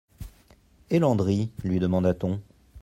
Et Landry ? lui demanda-t-on.